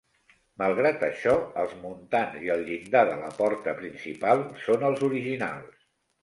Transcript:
Malgrat això, els muntants i el llindar de la porta principal són els originals.